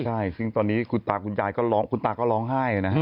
ใช่ซึ่งตอนนี้คุณตาคุณยายก็ร้องคุณตาก็ร้องไห้นะฮะ